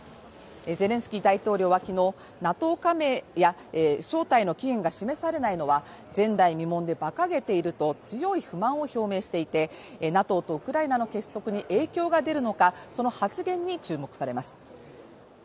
ゼレンスキー大統領は昨日ＮＡＴＯ加盟や招待の期限が示されないのは前代未聞でばかげていると強い不満を表明していてＮＡＴＯとウクライナの結束に影響が出るのかその発言に注目されます。